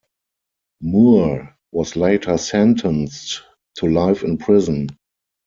Moore was later sentenced to life in prison.